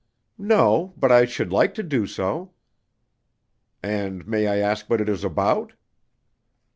"No, but I should like to do so." "And may I ask what it is about?"